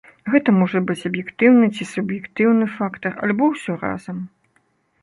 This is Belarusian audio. Гэта можа быць аб'ектыўны ці суб'ектыўны фактар альбо ўсё разам.